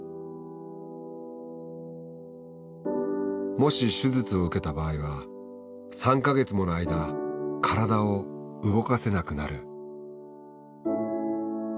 もし手術を受けた場合は３か月もの間体を動かせなくなる。